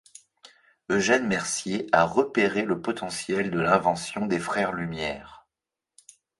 Eugène Mercier a repéré le potentiel de l'invention des frères Lumière.